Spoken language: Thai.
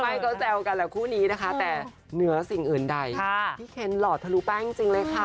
ไม่ก็แซวกันแหละคู่นี้นะคะแต่เหนือสิ่งอื่นใดพี่เคนหล่อทะลุแป้งจริงเลยค่ะ